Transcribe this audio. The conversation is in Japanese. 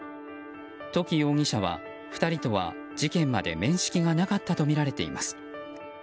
土岐容疑者は、２人とは事件まで面識がなかったとみられています。